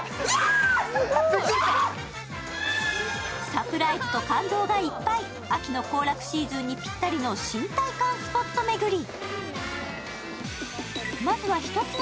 サプライズと感動がいっぱい、秋の行楽シーズンにぴったりの新体感スポット巡り。